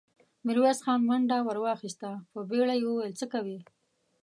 ميرويس خان منډه ور واخيسته، په بيړه يې وويل: څه کوئ!